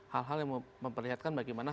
hal hal yang memperlihatkan bagaimana